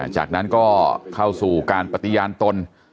จากนั้นก็เข้าสู่การปฏิญาณตน